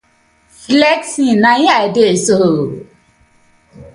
Flexing na it I dey so ooo.